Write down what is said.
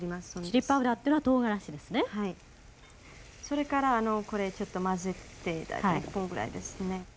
それからこれちょっと混ぜて大体このぐらいですね。